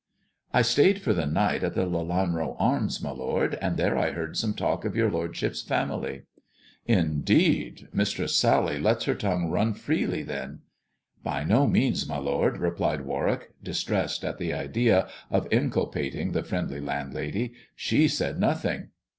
" I stayed for the night at the ' Lelanro Arms,* my lord, and there I heard some talk of your lordship's family." " Indeed ! Mistress Sally lets her tongue run freely, then." " By no means, my lord," replied Warwick, distressed at the idea of inculpating the friendly landlady ;" she said nothing."